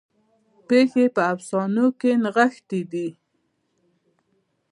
پیښې په افسانو کې نغښتې دي.